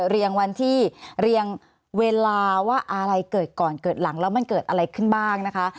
เรียงวันที่เรียงเวลาว่าอะไรเกิดก่อนเกิดหลังแล้วมันเกิดอะไรขึ้นบ้างนะคะ